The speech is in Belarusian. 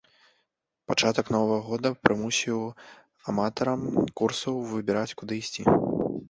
Пачатак новага года прымусіў аматарам курсаў выбіраць, куды ісці.